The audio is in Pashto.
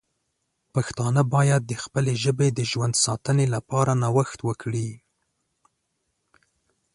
پښتانه باید د خپلې ژبې د ژوند ساتنې لپاره نوښت وکړي.